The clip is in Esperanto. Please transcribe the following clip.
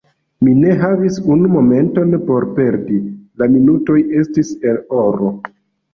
Mi ne havis unu momenton por perdi: la minutoj estis el oro.